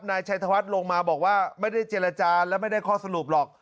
นายชัยธวัฒน์ลงมาบอกว่าไม่ได้เจรจาและไม่ได้ข้อสรุปหรอก